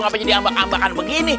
ngapain jadi ambakan begini